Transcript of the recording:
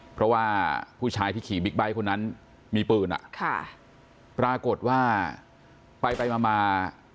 เพราะว่าผู้ชายที่ขี่บิ๊กไบท์คนนั้นมีปืนอ่ะค่ะปรากฏว่าไปไปมามา